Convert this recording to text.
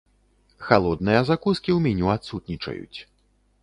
Халодныя закускі ў меню адсутнічаюць.